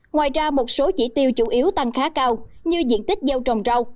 ngoài ra một số chỉ tiêu chủ yếu tăng khá cao như diện tích gieo trồng rau